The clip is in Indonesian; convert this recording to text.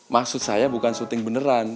maksud saya bukan syuting beneran